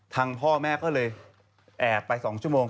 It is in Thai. ทางพ่อแม่ก็เลยแอบไป๒ชั่วโมง